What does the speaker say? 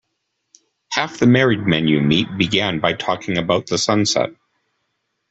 Half the married men you meet began by talking about the sunset.